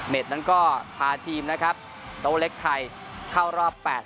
เมดนั้นก็พาทีมนะครับโตเวอร์เล็กไทยเข้ารอบแปด